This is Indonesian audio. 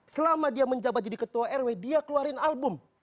selama dia menjabat jadi ketua rw dia keluarin album